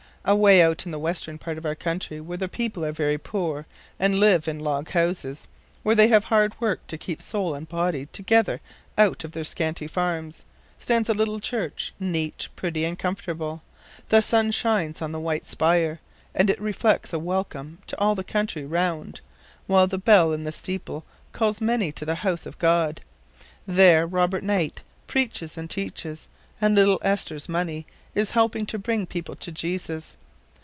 Away out in the Western part of our country, where the people are very poor, and live in log houses — where they have hard work to keep soul and body together out of their scanty farms — stands a little church, neat, pretty and comfortable. The sun shines on the white spire, and it reflects a welcome to all the country round, while the bell in the steeple calls many to the house of God. There Robert Knight preaches and teaches, and little Esther's money is helping to bring people to Jesus.